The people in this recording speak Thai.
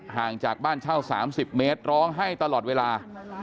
ห่างจากบ้านเช่า๓๐เมตรร้องไห้ตลอดเวลา